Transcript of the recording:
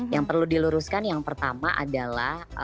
yang perlu diluruskan yang pertama adalah